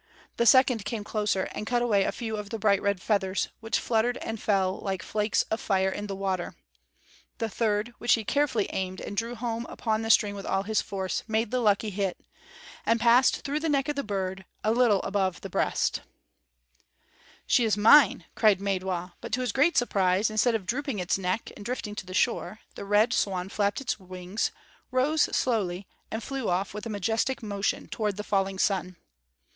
The second came closer, and cut away a few of the bright red feathers, which fluttered and fell like flakes of fire in the water. The third, which he carefully aimed and drew home upon the string with all his force, made the lucky hit, and passed through the neck of the bird a little above the breast. [Illustration: 0065] "She is mine," cried Maidwa, but to his great surprise, instead of drooping its neck and drifting to the shore, the Red Swan flapped its wings, rose slowly, and flew off with a majestic motion toward the falling sun.